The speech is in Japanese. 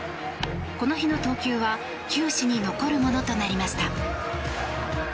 この日の投球は球史に残るものとなりました。